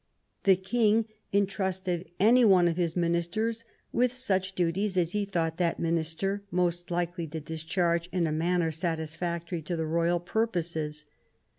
The King in trusted any one of his ministers with such duties as he thought that minister most likely to discharge in a manner satisfactory to the royal purposes.